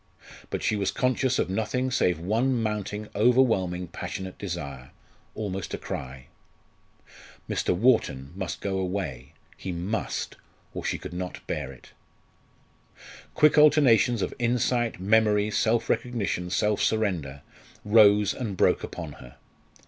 But she was conscious of nothing save one mounting overwhelming passionate desire, almost a cry. Mr. Wharton must go away he must or she could not bear it. Quick alternations of insight, memory, self recognition, self surrender, rose and broke upon her.